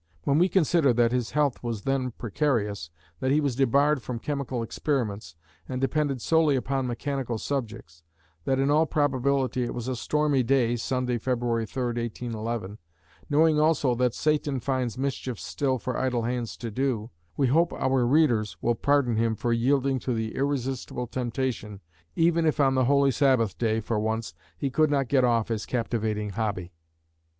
When we consider that his health was then precarious, that he was debarred from chemical experiments, and depended solely upon mechanical subjects; that in all probability it was a stormy day (Sunday, February 3, 1811), knowing also that "Satan finds mischief still for idle hands to do," we hope our readers will pardon him for yielding to the irresistible temptation, even if on the holy Sabbath day for once he could not "get off" his captivating hobby.